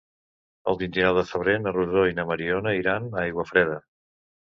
El vint-i-nou de febrer na Rosó i na Mariona iran a Aiguafreda.